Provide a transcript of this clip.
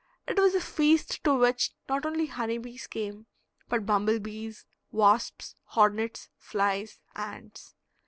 It was a feast to which not only honey bees came, but bumble bees, wasps, hornets, flies, ants.